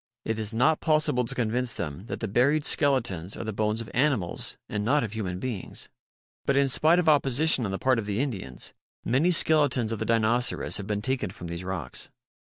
It is not possible to convince them that the buried skeletons are the bones of animals and not of human beings. But in spite of opposition on the part of the Indians, many skeletons of the Dinoceras have been taken from these rocks.